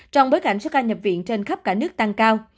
trong bối cảnh số ca nhập viện trên khắp cả nước tăng cao